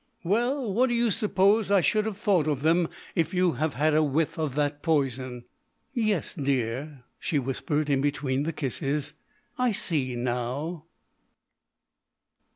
"Well, what do you suppose I should have thought of them if you had had a whiff of that poison?" "Yes, dear," she whispered in between the kisses, "I see now."